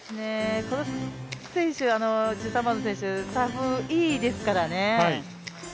この選手、サーブいいですからね。